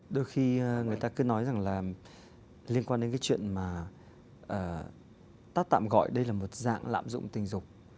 đôi khi người ta cứ nói rằng là liên quan đến cái chuyện mà ta tạm gọi đây là một dạng lạm dụng tình dục